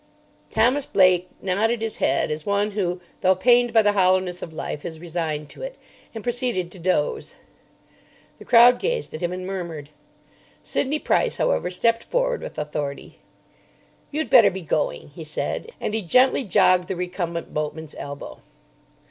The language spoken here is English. Thomas Blake nodded his head as one who, though pained by the hollowness of life, is resigned to it, and proceeded to doze. The crowd gazed at him and murmured. Sidney Price, however, stepped forward with authority. "You'd better be going," he said; and he gently jogged the recumbent boatman's elbow.